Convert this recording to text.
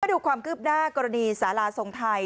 ดูความคืบหน้ากรณีสาราทรงไทย